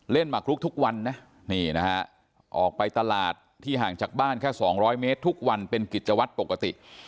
มาคลุกทุกวันนะนี่นะฮะออกไปตลาดที่ห่างจากบ้านแค่๒๐๐เมตรทุกวันเป็นกิจวัตรปกติ